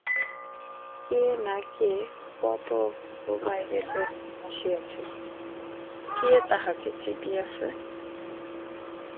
কে না কে, কত তো বাইরের লোক আসিয়াছো-কে তাহকে চিনিয়াছে?